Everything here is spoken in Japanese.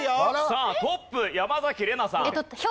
さあトップ山崎怜奈さん。